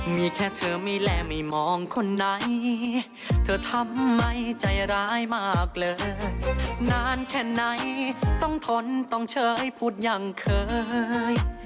มีแค่เธอมีและไม่มองคนไหนเธอทำไมใจร้ายมากเลยนานแค่ไหนต้องทนต้องเฉยพูดอย่างเคย